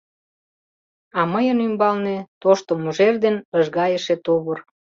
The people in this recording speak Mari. А мыйын ӱмбалне — тошто мыжер ден лыжгайыше тувыр.